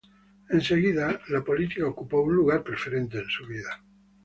Enseguida la política ocupó un lugar preferente en su vida.